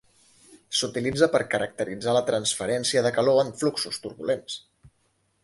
S'utilitza per caracteritzar la transferència de calor en fluxos turbulents.